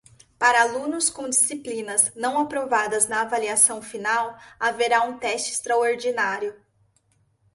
Para alunos com disciplinas não aprovadas na avaliação final, haverá um teste extraordinário.